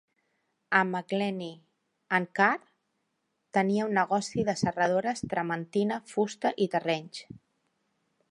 A McClenny en Carr tenia un negoci de serradores, trementina, fusta i terrenys.